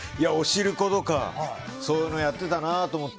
おしることかそういうのをやっていたなと。